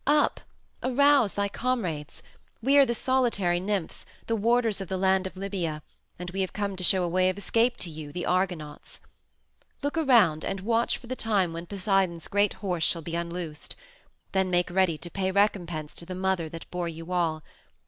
Up! Arouse thy comrades! We are the solitary nymphs, the warders of the land of Libya, and we have come to show a way of escape to you, the Argonauts. "Look around and watch for the time when Poseidon's great horse shall be unloosed. Then make ready to pay recompense to the mother that bore you all.